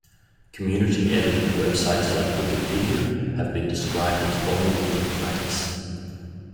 Community-edited websites like Wikipedia have been described as vulnerable to cranks.